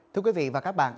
thưa quý vị và các bạn